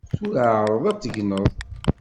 Tura ɛreḍ ad tegneḍ.